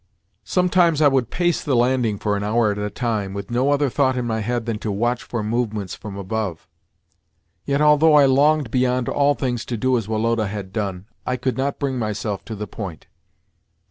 Sometimes I would pace the landing for an hour at a time, with no other thought in my head than to watch for movements from above. Yet, although I longed beyond all things to do as Woloda had done, I could not bring myself to the point.